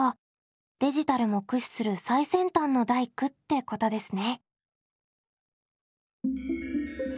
デジタルも駆使する最先端の大工ってことですね。